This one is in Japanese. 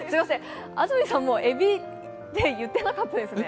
安住さんも「えび」って言ってなかったですよね？